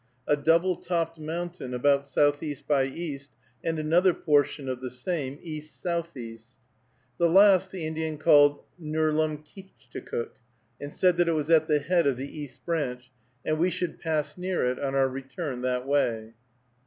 A double topped mountain, about southeast by east, and another portion of the same, east southeast. The last the Indian called Nerlumskeechticook, and said that it was at the head of the East Branch, and we should pass near it on our return that way.